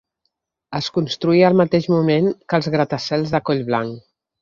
Es construí al mateix moment que els gratacels de Collblanc.